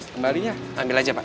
kembalinya ambil aja pak